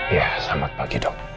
iya selamat pagi dok